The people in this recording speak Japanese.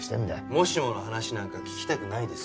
もしもの話なんか聞きたくないです。